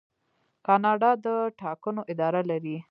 کاناډا د ټاکنو اداره لري.